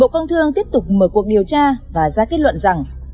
cuộc điều tra và ra kết luận rằng